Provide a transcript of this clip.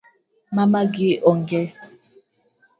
Mamagi onge